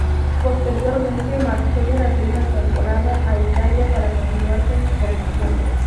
Posteriormente marchó durante una temporada a Italia para continuar con su formación.